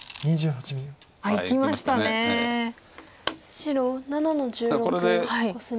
白７の十六コスミ。